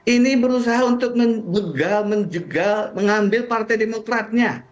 ini berusaha untuk menjegal menjegal mengambil partai demokratnya